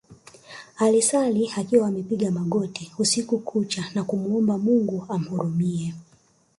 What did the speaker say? Alisali akiwa amepiga magoti usiku kucha na kumuomba Mungu amhurumie